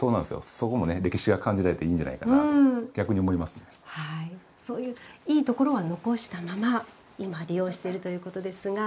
そこも歴史が感じられていいんじゃないかとそういういいところは残したまま今、利用しているということですが。